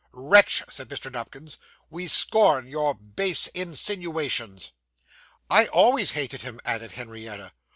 'Wretch,' said Mr. Nupkins, 'we scorn your base insinuations.' 'I always hated him,' added Henrietta.